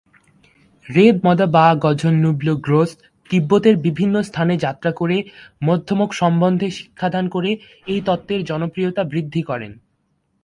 রেদ-ম্দা'-বা-গ্ঝোন-নু-ব্লো-গ্রোস তিব্বতের বিভিন্ন স্থানে যাত্রা করে মধ্যমক সম্বন্ধে শিক্ষাদান করে এই তত্ত্বের জনপ্রিয়তা বৃদ্ধি করেন।